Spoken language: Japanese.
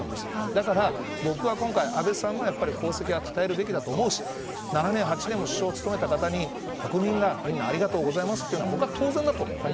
だから、僕は今回安倍さんの功績はたたえるべきだと思うし７年、８年も首相を務めた方に国民がみんな、ありがとうございますって言うのは当然だと思う。